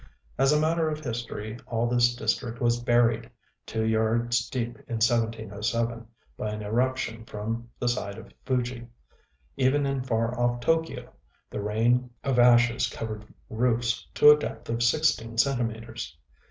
As a matter of history, all this district was buried two yards deep in 1707 by an eruption from the side of Fuji. Even in far off T┼Źky┼Ź the rain of ashes covered roofs to a depth of sixteen centimetres.